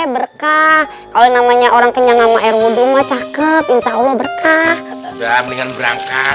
berkah kalau namanya orang kenyang sama air ngubung cakup insyaallah berkah dan dengan berangkat